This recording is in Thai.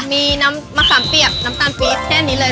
มีน้ำมะสามเปียบน้ำน้ำตาลตกี๊สแค่นี้เลย